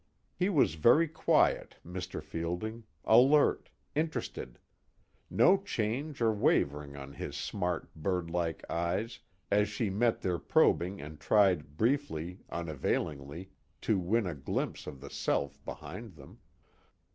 _ He was very quiet, Mr. Fielding, alert, interested; no change or wavering in his smart bird like eyes as she met their probing and tried briefly, unavailingly, to win a glimpse of the self behind them.